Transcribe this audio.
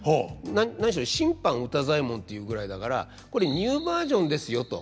何しろ「新版歌祭文」というぐらいだから「これニューバージョンですよ」と。